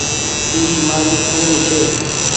اي مآري کوڻي ڇي۔